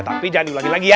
tapi jangan diulangi lagi ya